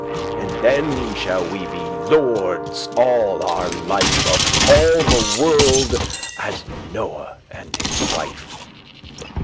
And then shall we be lordes all our life Of all the world, as Noe and his wife.